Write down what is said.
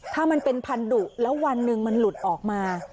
ถ้ามันเป็นพันธุแล้ววันหนึ่งมันหลุดออกมา